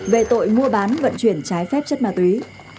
về tội mua bán vận chuyển trái phép chất ma túy